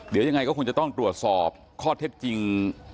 เดี๋ยวยังไงก็คงจะต้องตรวจสอบข้อเท็จจริง